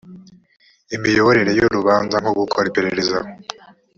imiyoborere y urubanza nko gukora iperereza